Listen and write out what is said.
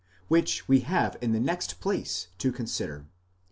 which we have in the next place to consider.